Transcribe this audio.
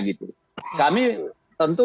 gitu kami tentu